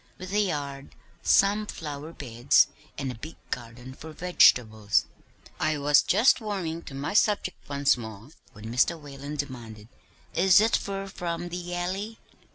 'With a yard, some flower beds, and a big garden for vegetables.' I was just warming to my subject once more when Mr. Whalen demanded, 'Is it fur from the Alley?'